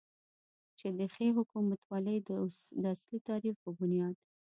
چې د ښې حکومتولې داصلي تعریف په بنیاد